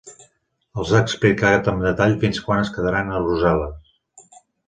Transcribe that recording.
Els ha explicat amb detall fins quan es quedaran a Brussel·les.